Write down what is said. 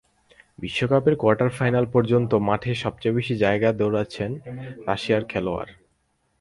বিশ্বকাপের quarter final পর্যন্ত মাঠে সবচেয়ে বেশি জায়গা দৌড়েছেন রাশিয়ার খেলোয়াড়েরা।